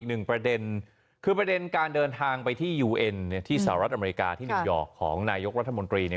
หนึ่งประเด็นคือประเด็นการเดินทางไปที่ยูเอ็นเนี่ยที่สหรัฐอเมริกาที่นิวยอร์กของนายกรัฐมนตรีเนี่ย